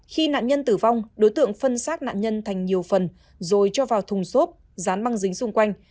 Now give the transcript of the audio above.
khi nạn nhân tử vong đối tượng phân xác nạn nhân thành nhiều phần rồi cho vào thùng xốp dán băng dính xung quanh